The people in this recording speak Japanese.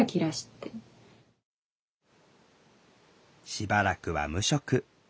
しばらくは無職。